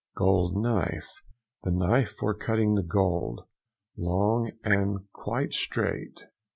GOLD KNIFE.—The knife for cutting the gold; long and quite straight.